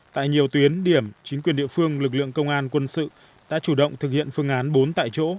tại nhiều tuyến điểm chính quyền địa phương lực lượng công an quân sự đã chủ động thực hiện phương án bốn tại chỗ